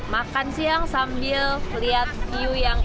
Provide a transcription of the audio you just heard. makan siang sambil lihat view yang indah banget